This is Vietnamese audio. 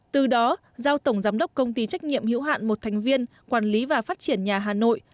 từ đó giao tổng giám đốc công ty trách nhiệm hữu hạn một thành viên quản lý và phát triển nhà hà nội